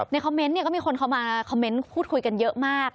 คอมเมนต์เนี่ยก็มีคนเข้ามาคอมเมนต์พูดคุยกันเยอะมาก